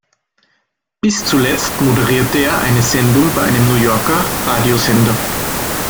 Bis zuletzt moderierte er eine Sendung bei einem New Yorker Radiosender.